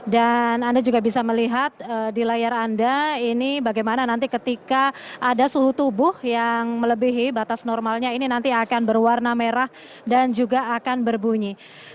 dan anda juga bisa melihat di layar anda ini bagaimana nanti ketika ada suhu tubuh yang melebihi batas normalnya ini nanti akan berwarna merah dan juga akan berbunyi